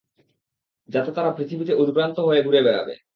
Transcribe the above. যাতে তারা পৃথিবীতে উদভ্রান্ত হয়ে ঘুরে বেড়াবে।